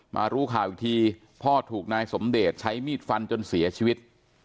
รู้ข่าวอีกทีพ่อถูกนายสมเดชใช้มีดฟันจนเสียชีวิต